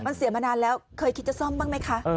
มันเสียมานานแล้วเคยคิดจะซ่อมบ้างไหมคะ